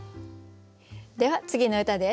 では次の歌です。